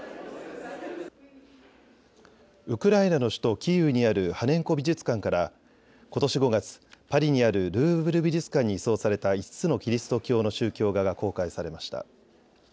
ウクライナの首都キーウにあるハネンコ美術館からことし５月、パリにあるルーブル美術館に移送された５つのキリスト教の宗教画が公開されました。